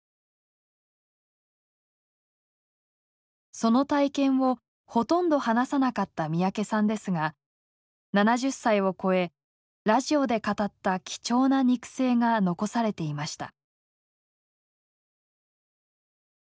その体験をほとんど話さなかった三宅さんですが７０歳を超えラジオで語った貴重な肉声が残されていました。